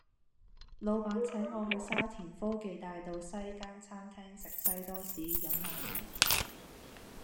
老闆請我去沙田科技大道西間餐廳食西多士飲奶茶